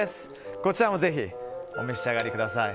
こちらもぜひお召し上がりください。